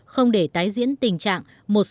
không để tái diễn tình trạng